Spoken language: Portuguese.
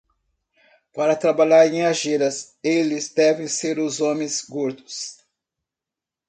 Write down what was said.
Para trabalhar em argilas, eles devem ser os homens gordos.